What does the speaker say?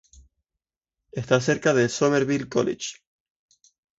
Está cerca del Somerville College.